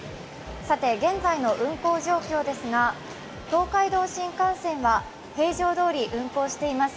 現在の運行状況ですが、東海道新幹線は平常どおり運行しています。